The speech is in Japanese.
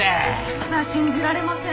まだ信じられません。